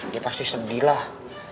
dia pasti sedih lah